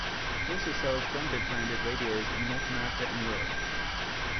It also sells Grundig-branded radios in North America and Europe.